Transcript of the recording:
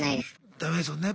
ダメですもんね。